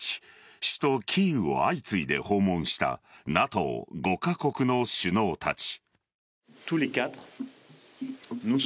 首都・キーウを相次いで訪問したＮＡＴＯ５カ国の首脳たち。